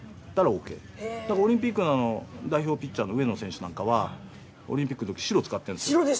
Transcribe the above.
オリンピックの代表ピッチャーの上野選手なんかはオリンピックのとき白使ってるんですよ。